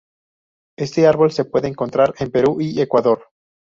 Este árbol se puede encontrar en Perú y Ecuador.